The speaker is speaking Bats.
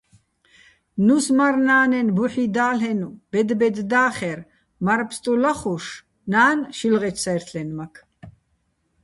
ნუს-მარნა́ნენ ბუჰ̦ი და́ლ'ენო̆, ბედ-ბედ და́ხერ: მარ-ბსტუ ლახუშ, ნა́ნ - შილღეჩო̆ საჲრთლენმაქ.